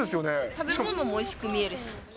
食べ物もおいしく見えるし。